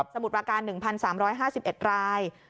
มุดประการ๑๓๕๑ราย